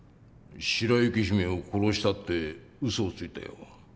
「白雪姫を殺した」ってうそをついたよ。